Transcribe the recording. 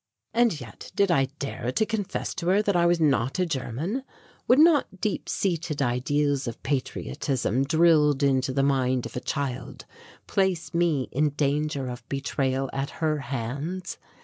And yet, did I dare to confess to her that I was not a German? Would not deep seated ideals of patriotism drilled into the mind of a child place me in danger of betrayal at her hands?